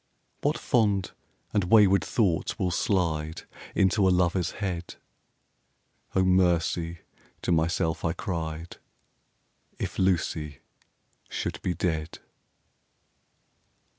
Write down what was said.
What fond and wayward thoughts will slide Into a Lover's head! "O mercy!" to myself I cried, "If Lucy should be dead!"